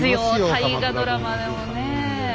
大河ドラマでもねえ。